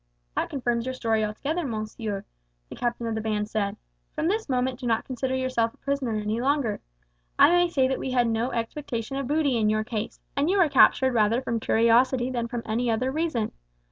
"That confirms your story altogether, monsieur," the captain of the band said. "From this moment do not consider yourself a prisoner any longer. I may say that we had no expectation of booty in your case, and you were captured rather from curiosity than from any other reason.